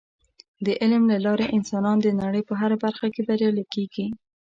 د علم له لارې انسانان د نړۍ په هره برخه کې بریالي کیږي.